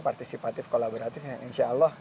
partisipatif kolaboratif yang insya allah